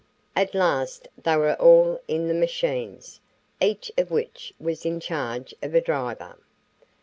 At last they were all in the machines, each of which was in charge of a driver.